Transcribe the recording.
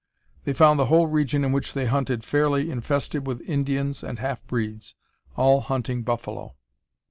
They found the whole region in which they hunted fairly infested with Indians and half breeds, all hunting buffalo.